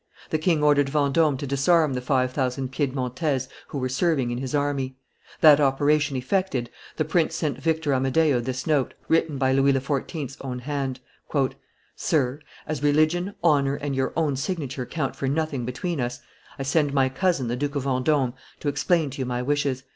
The king ordered Vendome to disarm the five thousand Piedmontese who were serving in his army. That operation effected, the prince sent Victor Amadeo this note, written by Louis XIV.'s own hand: "Sir: As religion, honor, and your own signature count for nothing between us, I send my cousin, the Duke of Vendome, to, explain to you my wishes.